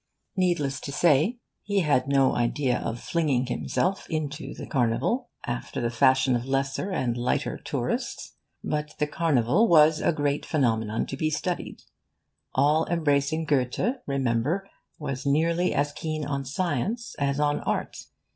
Needless to say, he had no idea of flinging himself into the Carnival, after the fashion of lesser and lighter tourists. But the Carnival was a great phenomenon to be studied. All embracing Goethe, remember, was nearly as keen on science as on art.